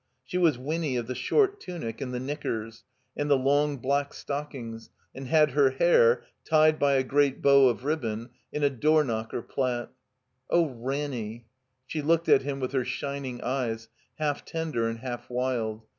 She was Winny of the short tunic and the 370 THE COMBINED MAZE knickers, and the long black stockings, and had her hair (tied by a great bow of ribbon) in a door knockei: plat. '*0h, Ranny —" She looked at him with her shining eyes, half tender and half wild.